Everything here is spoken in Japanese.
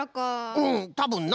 うんたぶんな！